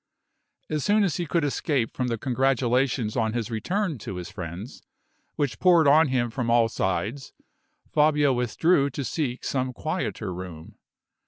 As soon as he could escape from the congratulations on his return to his friends, which poured on him from all sides, Fabio withdrew to seek some quieter room.